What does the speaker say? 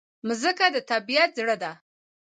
مځکه د طبیعت زړه ده.